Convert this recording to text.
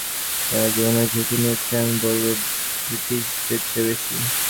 তারা জীবনের ঝুঁকি নিয়েছে, আমি বলব, ব্রিটিশদের চেয়েও বেশি।